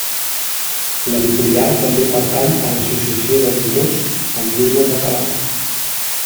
L'editorial també pertany a l'Associació d'Editors en Llengua Catalana.